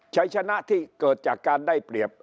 ใช้ชนะที่เกิดจากการได้เปรียบ